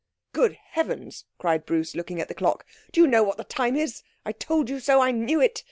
'Good heavens!' cried Bruce, looking at the clock. 'Do you know what the time is? I told you so! I knew it!